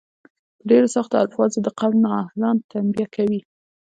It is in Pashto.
په ډیرو سختو الفاظو د قوم نا اهلان تنبیه کوي.